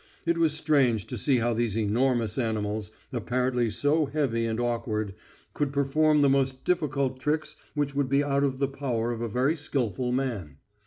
It was strange to see how these enormous animals, apparently so heavy and awkward, could perform the most difficult tricks which would be out of the power of a very skilful man.